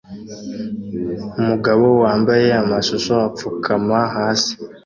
Umugabo wambaye amashusho apfukama hasi